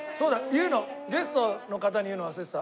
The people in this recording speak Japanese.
言うのゲストの方に言うの忘れてた。